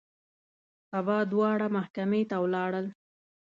سبا دواړه محکمې ته ولاړل.